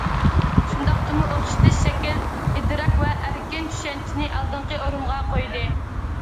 شۇنداقتىمۇ ئوخشىتىش، شەكىل، ئىدراك ۋە ئەركىن چۈشەنچىنى ئالدىنقى ئورۇنغا قويدى.